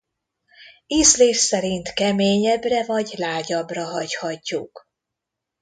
Ízlés szerint keményebbre vagy lágyabbra hagyhatjuk.